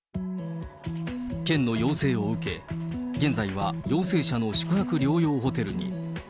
県の要請を受け、現在は陽性者の宿泊療養ホテルに。